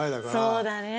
そうだね。